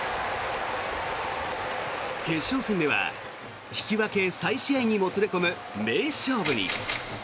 決勝戦では引き分け再試合にもつれ込む名勝負に。